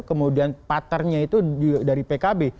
kemudian partnernya itu dari pkb